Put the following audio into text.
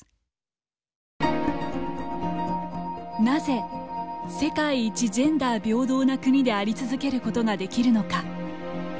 なぜ世界一ジェンダー平等な国であり続けることができるのか。